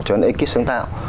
cho đến ekip sáng tạo